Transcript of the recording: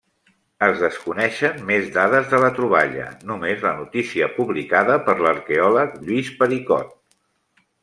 Es desconeixen més dades de la troballa, només la notícia publicada per l’arqueòleg Lluís Pericot.